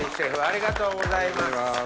ありがとうございます。